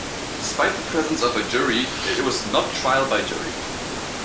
Despite the presence of a Jury, it was not "trial by jury".